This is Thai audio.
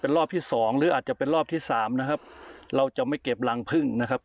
รอบที่สองหรืออาจจะเป็นรอบที่สามนะครับเราจะไม่เก็บรังพึ่งนะครับ